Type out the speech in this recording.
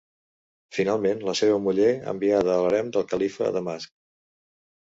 Finalment la seva muller enviada a l'harem del califa a Damasc.